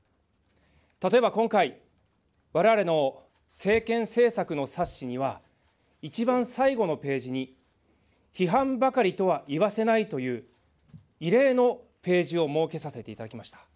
例えば今回、われわれの政見政策の冊子には、一番最後のページに、批判ばかりとは言わせないという、異例のページを設けさせていただきました。